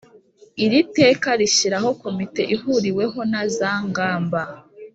Iri teka rishyiraho Komite ihuriweho na za ngamba